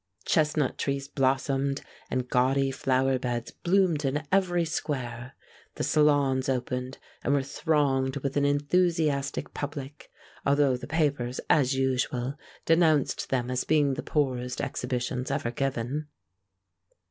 Chestnut trees blossomed and gaudy flower beds bloomed in every square. The Salons opened, and were thronged with an enthusiastic public, although the papers as usual denounced them as being the poorest exhibitions ever given.